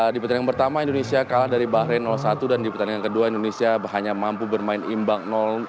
di pertandingan pertama indonesia kalah dari bahrain satu dan di pertandingan kedua indonesia hanya mampu bermain imbang